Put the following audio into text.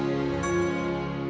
ketam terima kasih pleende